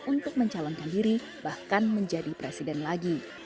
untuk mencalonkan diri bahkan menjadi presiden lagi